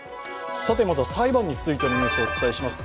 まずは裁判についてのニュースをお伝えします